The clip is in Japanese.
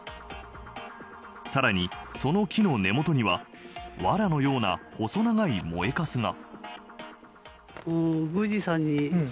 さらに、その木の根本にはわらのような細長い燃えかすが。